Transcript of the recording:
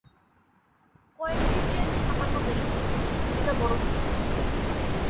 কয়েকটি ট্রেন সামান্য দেরি করেছে, এটা বড় কিছু নয়।